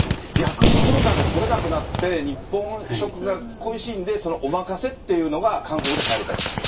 逆にコロナで来れなくなって、日本食が恋しいんで、おまかせっていうのが韓国ではやりだした。